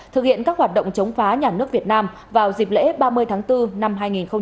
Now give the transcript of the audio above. thực hiện các hoạt động chống phá nhà nước việt nam vào dịp lễ ba mươi tháng bốn năm hai nghìn hai mươi